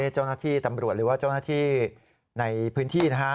เจ้าหน้าที่ตำรวจหรือว่าเจ้าหน้าที่ในพื้นที่นะฮะ